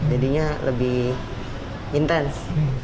jadinya lebih intens